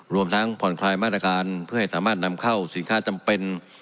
รวมทั้งผ่อนคลายมาตรการเพื่อให้สามารถนำเข้าสินค้าจำเป็น